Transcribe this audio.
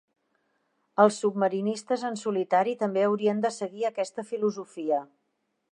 Els submarinistes en solitari també haurien de seguir aquesta filosofia.